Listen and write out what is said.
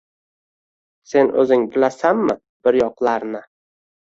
Sen o‘zing bilasanmi bir yoqlarni?”